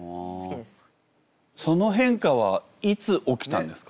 その変化はいつ起きたんですか？